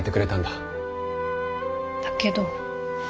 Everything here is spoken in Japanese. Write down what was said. だけど。